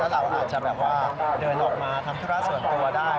ถ้าเราอาจจะเดินออกมาทำธุระส่วนตัวได้